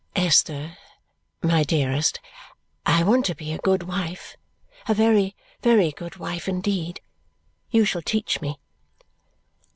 "Esther, my dearest, I want to be a good wife, a very, very good wife indeed. You shall teach me."